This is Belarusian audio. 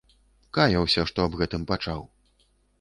Каяўся, што аб гэтым пачаў.